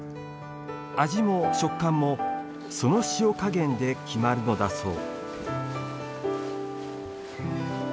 味も食感もその塩加減で決まるのだそう。